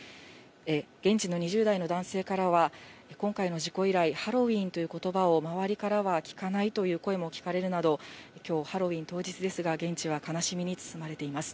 現地の２０代の男性からは、今回の事故以来、ハロウィーンということばを周りからは聞かないという声も聞かれるなど、きょう、ハロウィーン当日ですが、現地は悲しみに包まれています。